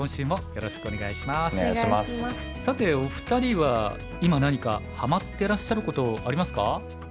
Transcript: さてお二人は今何かはまってらっしゃることありますか？